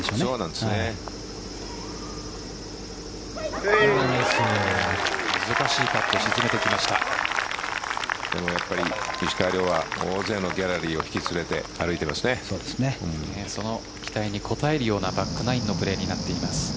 でも石川遼は大勢のギャラリーを引き連れてその期待に応えるようなバックナインのプレーになっています。